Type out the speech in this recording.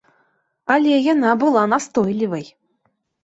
Але яна была настойлівай.